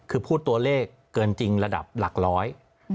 คือพูดตัวเลขเกินจริงระดับหลักร้อย